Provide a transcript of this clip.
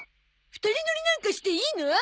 ２人乗りなんかしていいの？